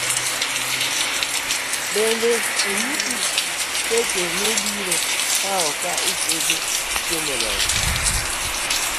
Bende onyiso seche maibiro kawo ka itedo chiemo nogo